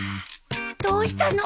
どうしたの！？